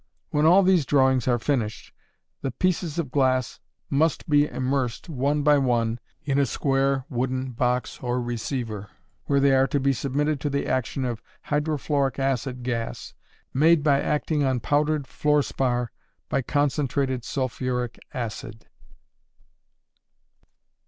When all these drawings are finished the pieces of glass must be immersed one by one in a square leaden box or receiver, where they are to be submitted to the action of hydrofluoric acid gas, made by acting on powdered fluor spar by concentrated sulphuric acid.